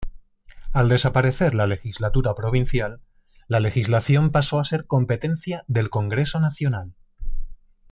Al desaparecer la Legislatura provincial, la legislación pasó a ser competencia del Congreso Nacional.